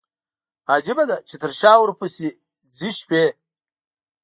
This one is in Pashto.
عجيبه ده، چې تر شا ورپسي ځي شپي